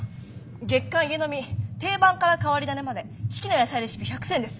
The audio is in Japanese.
「月刊家呑み定番から変わりダネまで、四季の野菜レシピ１００選！」です。